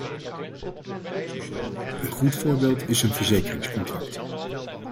Een goed voorbeeld is een verzekeringscontract.